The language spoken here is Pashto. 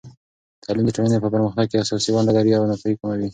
تعلیم د ټولنې په پرمختګ کې اساسي ونډه لري او ناپوهي کموي.